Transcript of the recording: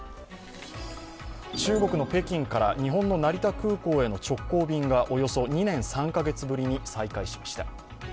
中国の北京から日本の成田空港への直行便がおよそ２年７カ月ぶりに再開しました。